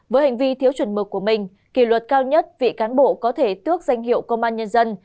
với hành vi thiếu chuẩn mực của mình kỳ luật cao nhất vị cán bộ có thể tước danh hiệu công an nhân dân